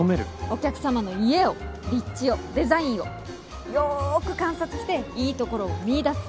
お客様の家を立地をデザインをよく観察していいところを見いだす。